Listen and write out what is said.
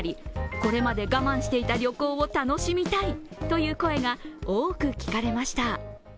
これまで我慢していた旅行を楽しみたいという声が多く聞かれました。